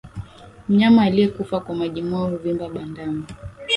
Mnyama aliyekufa kwa majimoyo huvimba bandama